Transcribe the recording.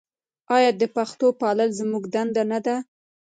آیا د پښتو پالل زموږ دنده نه ده؟